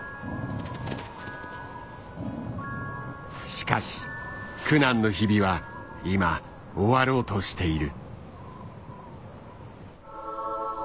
しかし苦難の日々は今終わろうとしている。